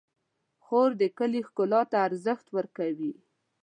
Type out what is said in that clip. خور د کلي ښکلا ته ارزښت ورکوي.